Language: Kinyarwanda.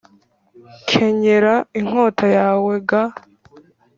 Kenyera inkota yawe g